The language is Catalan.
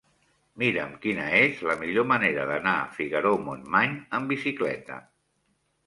Mira'm quina és la millor manera d'anar a Figaró-Montmany amb bicicleta.